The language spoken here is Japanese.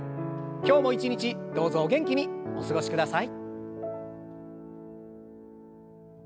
今日も一日どうぞお元気にお過ごしください。